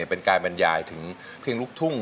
เป็นการบรรยายถึงเพลงลูกทุ่ง